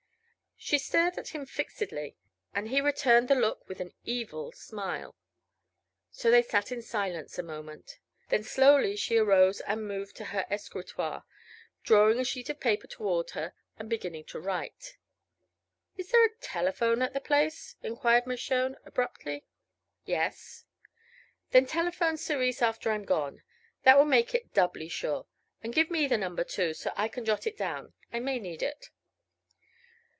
She stared at him fixedly, and he returned the look with an evil smile. So they sat in silence a moment. Then slowly she arose and moved to her escritoire, drawing a sheet of paper toward her and beginning to write. "Is there a telephone at the place?" enquired Mershone abruptly. "Yes." "Then telephone Cerise after I'm gone. That will make it doubly sure. And give me the number, too, so I can jot it down. I may need it."